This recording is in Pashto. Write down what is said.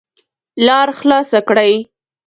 لار خلاصه کړئ